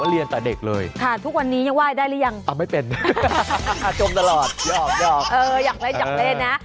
เอออยากเวลาอยากเล่นนะ